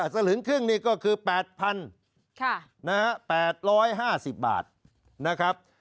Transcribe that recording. สลึงครึ่งนี่ก็คือ๘๘๕๐บาทนะครับ